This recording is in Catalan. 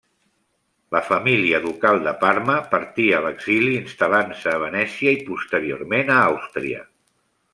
La família ducal de Parma partí a l'exili instal·lant-se a Venècia i posteriorment a Àustria.